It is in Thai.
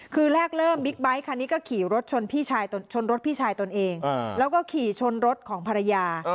คือแรกเริ่มบิ๊กไบท์คันนี้ก็ขี่รถชนพี่ชนรถพี่ชายตนเองแล้วก็ขี่ชนรถของภรรยา